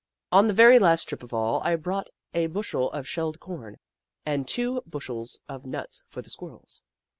On the very last trip of all, I brought a bushel of shelled corn and two bushels of nuts for the Squirrels.